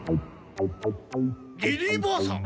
リリーばあさん？